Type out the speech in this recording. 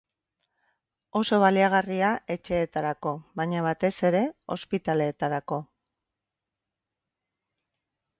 Oso baliagarria etxeetarako, baina batez ere, hospitaleetarako.